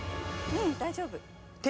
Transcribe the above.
うん大丈夫。